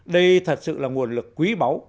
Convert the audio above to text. đây thật sự là nguồn lực quý báu